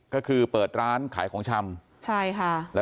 ก็คือเปิดร้านขายของชำใช่ค่ะ